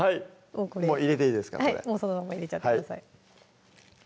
もう入れていいですかこれそのまま入れちゃってください